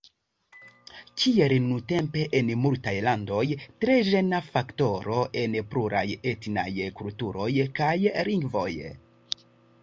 Kiel nuntempe en multaj landoj: tre ĝena faktoro en pluraj etnaj kulturoj kaj lingvoj?